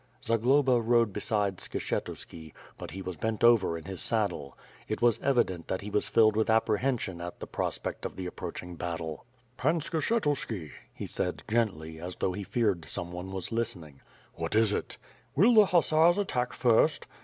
Zagloba rode beside Skshetuski, but he was bent over in his saddle. It was evident that he was filled with apprehension at the prospect of th'e approaching baittle. "Pan Skshetuski," he said gently, as though he feared some one was listening. "What is it?" "Will the hussars attack first?"